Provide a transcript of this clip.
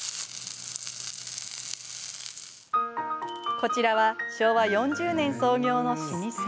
こちらは昭和４０年創業の老舗。